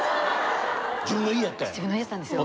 自分の家やったんですよ。